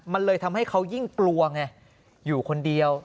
มันเลยทำให้เขายิ่งกลัวไงอยู่คนเดียว